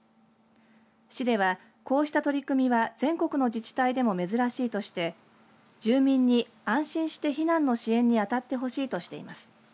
市ではこうした取り組みは全国の自治体でも珍しいとしていて住民に安心して避難の支援に当たってほしいとしています。